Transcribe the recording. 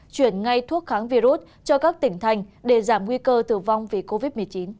chuyển ngay thuốc kháng virus cho các tỉnh thành để giảm nguy cơ tử vong vì covid một mươi chín